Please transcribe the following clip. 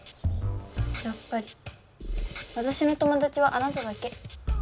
やっぱりわたしの友だちはあなただけ。